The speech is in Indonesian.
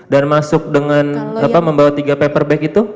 dan masuk dengan membawa tiga paper bag itu